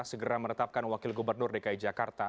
segera menetapkan wakil gubernur dki jakarta